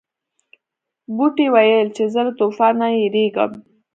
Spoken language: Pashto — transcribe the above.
بوټي ویل چې زه له طوفان نه یریږم.